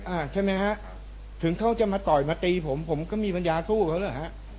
อ่าใช่ไหมฮะถึงเขาจะมาต่อยมาตีผมผมก็มีปัญญาสู้เขาด้วยฮะ